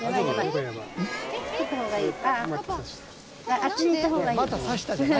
あっちに行った方がいい。